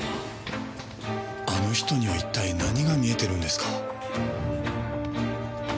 あの人には一体何が見えてるんですか？